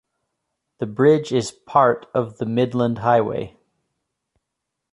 The bridge is part of the Midland Highway.